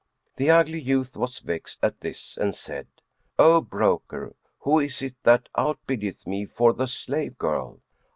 The ugly youth was vexed at this and said, "O broker! who is it that outbiddeth me for the slave girl?"